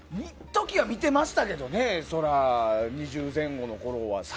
一時は見てましたけどね、そら２０前後のころは。